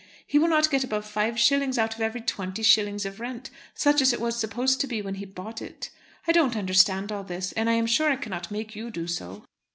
He will not get above five shillings out of every twenty shillings of rent, such as it was supposed to be when he bought it. I don't understand all this, and I am sure I cannot make you do so.